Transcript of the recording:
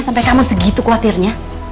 sampai kamu segitu khawatirnya